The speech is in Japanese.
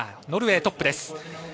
ノルウェー、トップです。